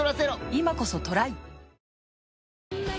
今こそトライ！